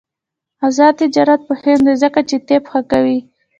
آزاد تجارت مهم دی ځکه چې طب ښه کوي.